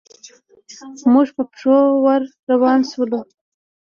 موږ په پښو ور روان شولو.